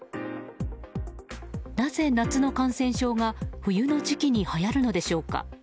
なぜ夏の感染症が冬の時期にはやるのでしょうか。